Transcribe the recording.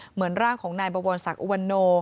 เหมือนร่างของนายบวรศักดิอุวันโน